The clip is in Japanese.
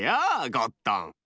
ゴットン！